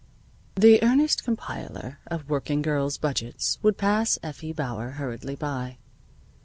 The earnest compiler of working girls' budgets would pass Effie Bauer hurriedly by.